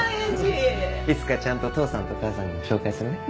いつかちゃんと父さんと母さんにも紹介するね